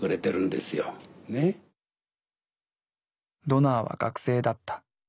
ドナーは学生だった。